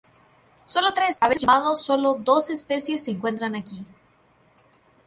Sólo tres, a veces llamado sólo dos especies se encuentran aquí.